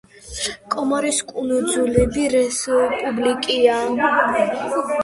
კომორის კუნძულები რესპუბლიკაა.